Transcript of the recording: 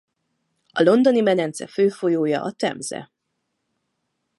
A Londoni-medence fő folyója a Temze.